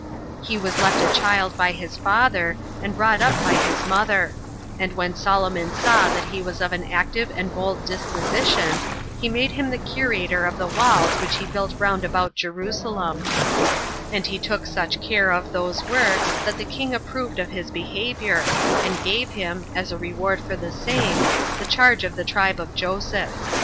He was left a child by his father, and brought up by his mother; and when Solomon saw that he was of an active and bold disposition, he made him the curator of the walls which he built round about Jerusalem; and he took such care of those works, that the king approved of his behavior, and gave him, as a reward for the same, the charge of the tribe of Joseph.